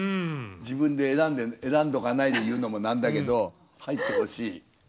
自分で選んでおかないで言うのもなんだけど入ってほしい。